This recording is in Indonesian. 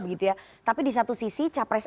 begitu ya tapi di satu sisi capres